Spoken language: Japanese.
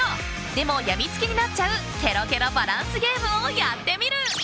でも、やみつきになっちゃうけろけろバランスゲームをやってみる。